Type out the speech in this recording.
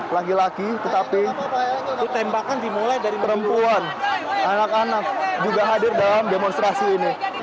laki laki tetapi perempuan anak anak juga hadir dalam demonstrasi ini